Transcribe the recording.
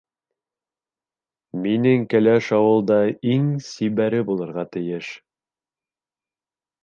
Минең кәләш ауылда иң сибәре булырға тейеш.